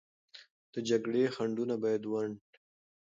د جګړې خنډونه باید ونډ